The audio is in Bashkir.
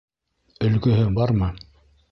Өлгөһө бармы?